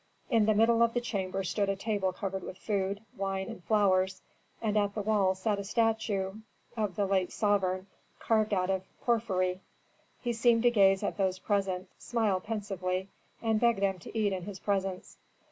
In the middle of the chamber stood a table covered with food, wine, and flowers, and at the wall sat a statue of the late sovereign carved out of porphyry. He seemed to gaze at those present, smile pensively, and beg them to eat in his presence.